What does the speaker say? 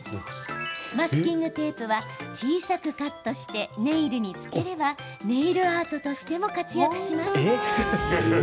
マスキングテープは小さくカットしてネイルにつければネイルアートにも活躍します。